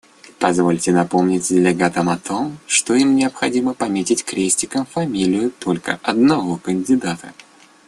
Позвольте напомнить делегатам о том, что им необходимо пометить крестиком фамилию только одного кандидата.